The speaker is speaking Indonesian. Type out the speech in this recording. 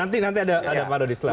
nanti ada parodi selanjutnya